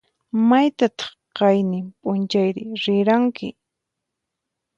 Maytataq qayninp'unchayri riranki?